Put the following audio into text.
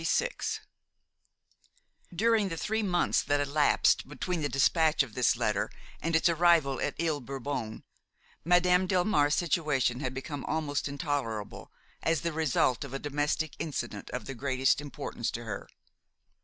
XXVI During the three months that elapsed between the despatch of this letter and its arrival at Ile Bourbon, Madame Delmare's situation had become almost intolerable, as the result of a domestic incident of the greatest importance to her.